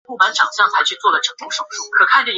尾叶鹅掌柴是五加科鹅掌柴属的植物。